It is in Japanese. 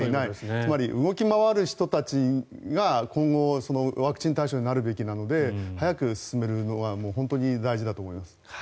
つまり、動き回る人たちが今後、ワクチン対象になるべきなので早く進めるのは本当に大事だと思います。